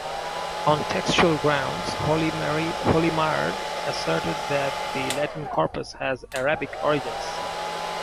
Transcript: On textual grounds, Holmyard asserted that the Latin corpus has Arabic origins.